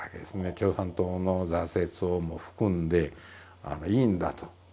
共産党の挫折をも含んでいいんだと。